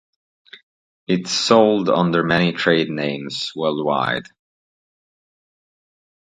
It is sold under many trade names worldwide.